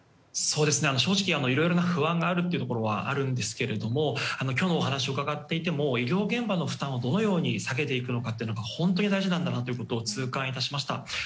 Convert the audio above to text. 正直、いろいろな不安があるところはあるんですが今日のお話を伺っていても医療現場の負担をどのように下げていくのかが本当に大事なんだなと痛感いたしました。